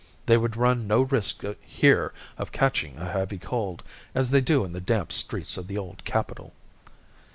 They would run no risk here of catching a heavy cold, as they do in the damp streets of the old capital."